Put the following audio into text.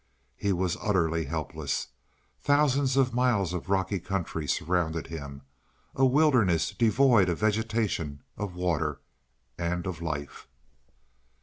He was utterly helpless. Thousands of miles of rocky country surrounded him a wilderness devoid of vegetation, of water, and of life.